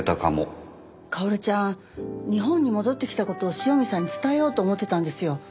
薫ちゃん日本に戻ってきた事を塩見さんに伝えようと思ってたんですよ。